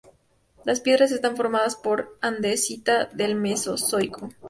Las piedras están formadas por andesita del Mesozoico.